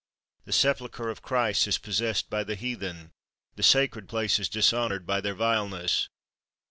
The sepulchre of Christ is possessed by the heathen, the sacred places dishonoured by their vileness.